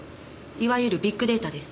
いわゆるビッグデータです。